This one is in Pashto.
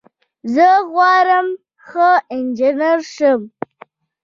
زه غواړم ښه انجنیر شم.